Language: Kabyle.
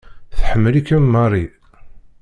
Tḥemmel-ikem Mary.